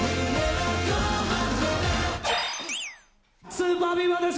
ＳＵＰＥＲＢＥＡＶＥＲです。